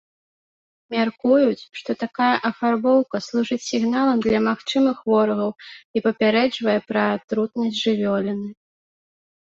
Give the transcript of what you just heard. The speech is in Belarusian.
Мяркуюць, што такая афарбоўка служыць сігналам для магчымых ворагаў і папярэджвае пра атрутнасць жывёліны.